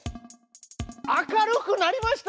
明るくなりました！